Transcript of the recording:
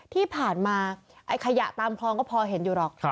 ที่ผ่านมาไอ้ขยะตามคลองก็พอเห็นอยู่หรอก